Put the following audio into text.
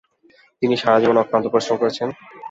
তিনি সারাজীবন অক্লান্ত পরিশ্রম করেছেন।